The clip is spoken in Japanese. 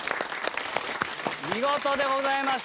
見事でございました。